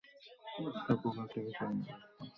থাকুক একটা কিছু নিয়ে ব্যস্ত।